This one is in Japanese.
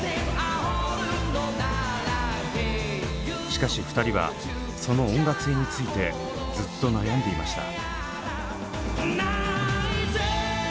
しかし２人はその音楽性についてずっと悩んでいました。